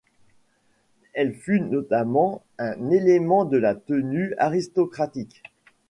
Elle fut notamment un élément de la tenue aristocratique.